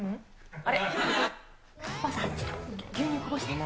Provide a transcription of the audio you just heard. あれ。